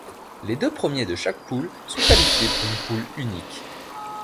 Les deux premiers de chaque poule sont qualifiés pour une poule unique.